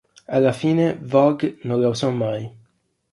Alla fine "Vogue" non la usò mai.